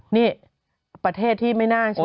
นี่ประเทศที่ไม่น่าเชื่อ